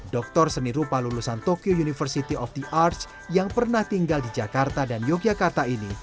doktor seni rupa lulusan tokyo university of the arts yang pernah tinggal di jakarta dan yogyakarta ini